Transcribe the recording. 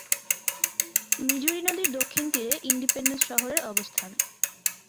মিজুরি নদীর দক্ষিণ তীরে ইন্ডিপেন্ডেন্স শহরের অবস্থান।